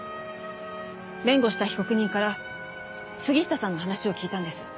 弁護した被告人から杉下さんの話を聞いたんです。